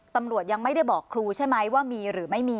ตำรวจยังไม่ได้บอกครูใช่ไหมว่ามีหรือไม่มี